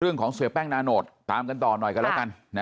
เสียแป้งนาโนตตามกันต่อหน่อยกันแล้วกัน